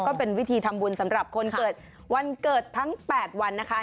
ก็เป็นวิธีทำบุญสำหรับคนเกิดวันเกิดทั้ง๘วันนะคะ